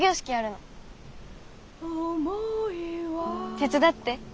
手伝って。